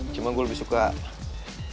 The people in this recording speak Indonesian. cuma gue lebih suka main motor